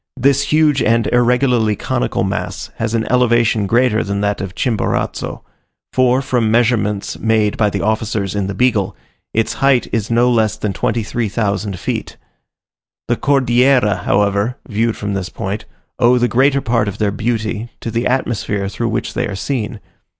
This huge and irregularly conical mass has an elevation greater than that of Chimborazo; for, from measurements made by the officers in the Beagle, its height is no less than 23,000 feet. The Cordillera, however, viewed from this point, owe the greater part of their beauty to the atmosphere through which they are seen.